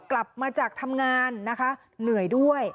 มีคนร้องบอกให้ช่วยด้วยก็เห็นภาพเมื่อสักครู่นี้เราจะได้ยินเสียงเข้ามาเลย